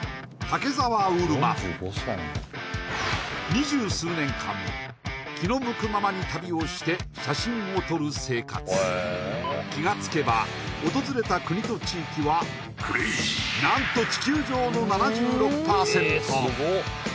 二十数年間気の向くままに旅をして写真を撮る生活気がつけば訪れた国と地域は何と地球上の７６％